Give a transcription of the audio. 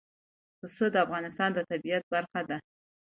پسه د افغانستان د طبیعت برخه ده.